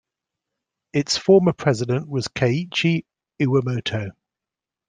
Its former president was Keiichi Iwamoto.